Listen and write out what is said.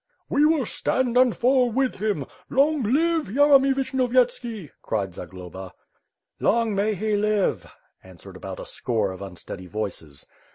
"We will stand and fall with him — long live Yeremy Vi shnyoyetski/' cried Zagloba. "Long may he live/' answered abou<t a score of unsteady voices.